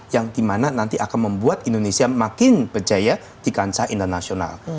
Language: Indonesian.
tahun di mana nanti akan membuat indonesia makin berjaya di kancah internasional